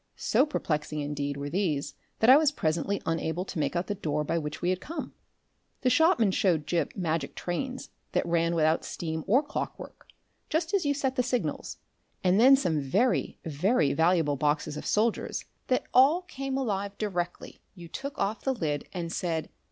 So perplexing, indeed, were these that I was presently unable to make out the door by which we had come. The shopman showed Gip magic trains that ran without steam or clockwork, just as you set the signals, and then some very, very valuable boxes of soldiers that all came alive directly you took off the lid and said